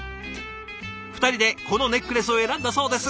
２人でこのネックレスを選んだそうです。